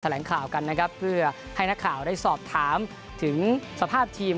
แหลงข่าวกันนะครับเพื่อให้นักข่าวได้สอบถามถึงสภาพทีม